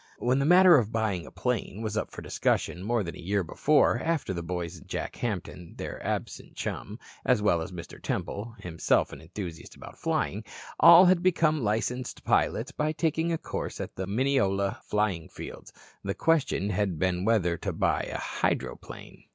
When the matter of buying a plane was up for discussion more than a year before, after the boys and Jack Hampton, their absent chum, as well as Mr. Temple himself an enthusiast about flying all had become licensed pilots by taking a course at the Mineola flying fields, the question had been whether to buy a hydroplane.